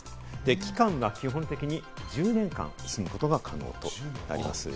期間は基本的に１０年間、住むことが可能となります。